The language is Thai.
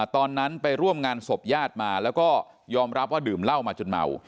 ตอนนั้นไปร่วมงานศพญาติมาแล้วก็ยอมรับว่าดื่มเหล้ามาจนเมา